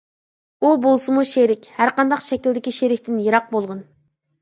ئۇ بولسىمۇ شېرىك، ھەرقانداق شەكىلدىكى شېرىكتىن يىراق بولغىن.